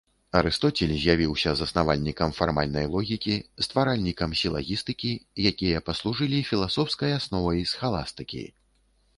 Арыстоцель з'явіўся заснавальнікам фармальнай логікі, стваральнікам сілагістыкі, якія паслужылі філасофскай асновай схаластыкі.